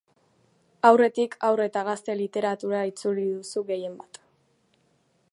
Aurretik haur eta gazte literatura itzuli duzu gehienbat.